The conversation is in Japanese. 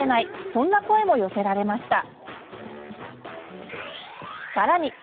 そんな声も寄せられました。